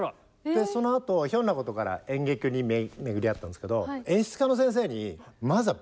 そのあとひょんなことから演劇に巡り合ったんですけど。